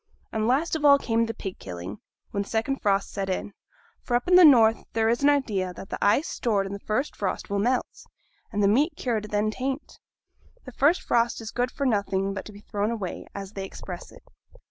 And last of all came the pig killing, when the second frost set in. For up in the north there is an idea that the ice stored in the first frost will melt, and the meat cured then taint; the first frost is good for nothing but to be thrown away, as they express it.